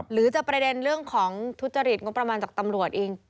หรือจะประเด็นเรื่องของทุจริตงบประมาณจากตำรวจเอง